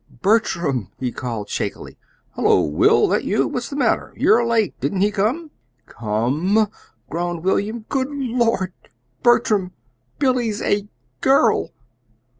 "Bertram!" he called shakily. "Hullo, Will; that you? What's the matter? You're late! Didn't he come?" "Come!" groaned William. "Good Lord! Bertram Billy's a GIRL!"